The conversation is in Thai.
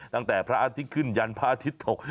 ตั้งแต่พระอาทิตย์ขึ้นยันพระอาทิตย์ตก